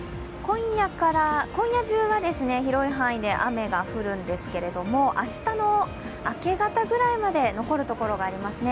今夜中は広い範囲で雨が降るんですけども明日の明け方ぐらいまで残る所がありますね。